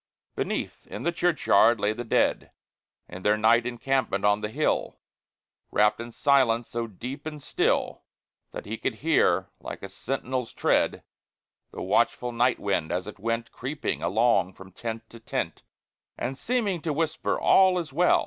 Beneath, in the churchyard, lay the dead, In their night encampment on the hill, Wrapped in silence so deep and still That he could hear, like a sentinel's tread, The watchful night wind, as it went Creeping along from tent to tent, And seeming to whisper, "All is well!"